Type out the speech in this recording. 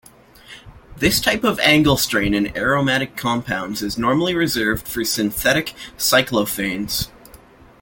This type of angle strain in aromatic compounds is normally reserved for synthetic cyclophanes.